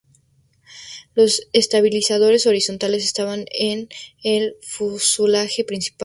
Los estabilizadores horizontales estaban en el fuselaje principal.